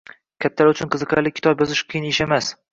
Kattalar uchun qiziqarli kitob yozish qiyin ish emas